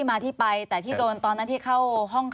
แล้วเขาสร้างเองว่าห้ามเข้าใกล้ลูก